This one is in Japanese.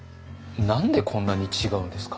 何でこんなに違うんですか？